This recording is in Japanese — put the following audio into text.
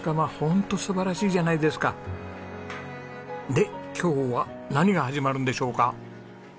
で今日は何が始まるんでしょうか？